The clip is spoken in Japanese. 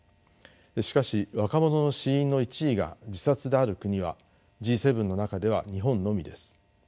しかし若者の死因の１位が自殺である国はＧ７の中では日本のみです。